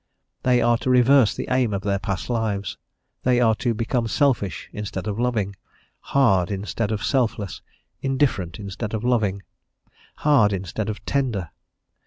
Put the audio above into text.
They are to reverse the aim of their past lives, they are to become selfish instead of loving, hard instead of selfless, indifferent instead of loving, hard instead of tender.